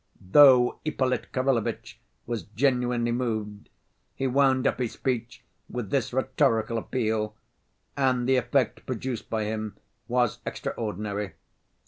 Though Ippolit Kirillovitch was genuinely moved, he wound up his speech with this rhetorical appeal—and the effect produced by him was extraordinary.